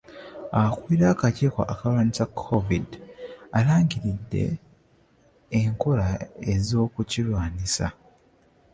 Akulira akakiiko akalwanyisa Covid alangiridde enkola ez'okukirwanyisa